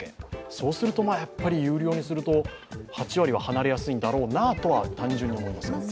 そうすると、有料にすると８割は離れやすいんだろうなと単純に思います。